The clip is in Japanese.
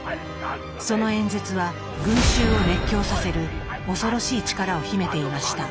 その演説は群衆を熱狂させる恐ろしい力を秘めていました。